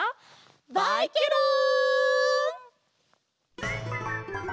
バイケロン！